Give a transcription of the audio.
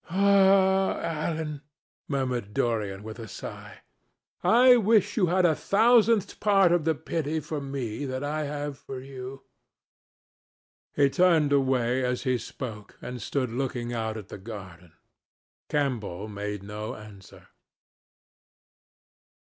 "Ah, Alan," murmured Dorian with a sigh, "I wish you had a thousandth part of the pity for me that I have for you." He turned away as he spoke and stood looking out at the garden. Campbell made no answer.